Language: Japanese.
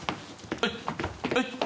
はいはい。